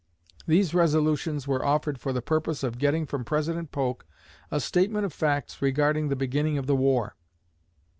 These resolutions were offered for the purpose of getting from President Polk a statement of facts regarding the beginning of the war.